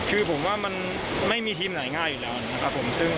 คือผมว่ามันไม่มีทีมไหนง่ายอยู่แล้วนะครับผม